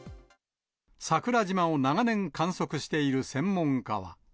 桜島を長年観測している専門家は。